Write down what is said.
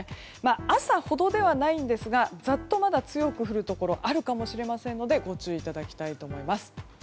朝ほどではないんですがざっと強く降るところがあるかもしれませんのでご注意いただきたいと思います。